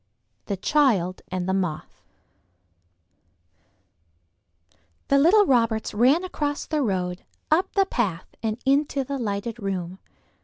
The Child and the Moth The little Roberts's ran across the road, up the path, and into the lighted room.